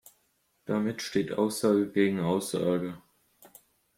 Damit steht Aussage gegen Aussage.